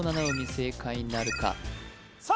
正解なるかさあ